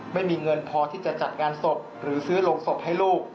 ไม่มีเงินพอที่จะจัดงานศพหรือซื้อโรงศพให้ลูก